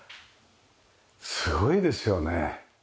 すごいですよね。